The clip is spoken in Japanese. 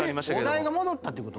お題が戻ったって事？